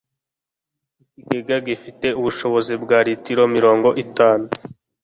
Ikigega gifite ubushobozi bwa litiro mirongo itanu.